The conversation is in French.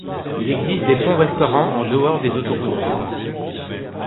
Il existe des ponts-restaurants en dehors des autoroutes.